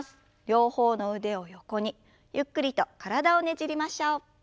両方の腕を横にゆっくりと体をねじりましょう。